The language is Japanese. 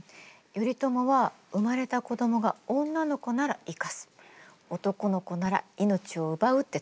頼朝は生まれた子どもが女の子なら生かす男の子なら命を奪うって告げてたの。